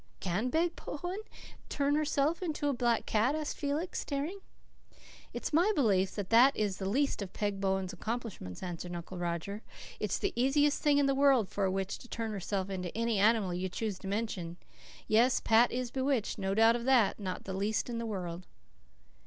"Can Peg Bowen turn herself into a black cat?" asked Felix, staring. "It's my belief that that is the least of Peg Bowen's accomplishments," answered Uncle Roger. "It's the easiest thing in the world for a witch to turn herself into any animal you choose to mention. Yes, Pat is bewitched no doubt of that not the least in the world."